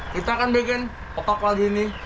kita akan bikin opak lagi ini